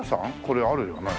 これあるよね。